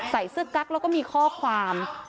ใส่เสื้อกั๊กแล้วก็มีข้อความ